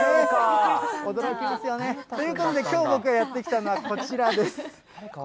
驚きますよね。ということで、きょう僕がやって来たのは、こちらです。